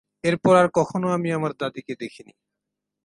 এরপর আর কখনো আমি আমার দাদীকে দেখিনি।